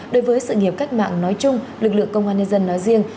đối với sự nghiệp cách mạng nói chung lực lượng công an nhân dân nói riêng